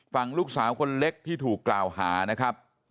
ฝั่งลูกสาวคนเล็กที่ถูกกล่าวหานะครับ